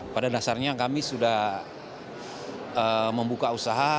pada dasarnya kami sudah membuka usaha